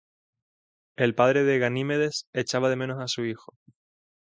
El padre de Ganimedes echaba de menos a su hijo.